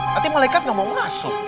nanti malaikat gak mau masuk